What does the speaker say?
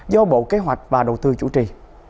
do bộ kế hoạch và đầu tư chủ trì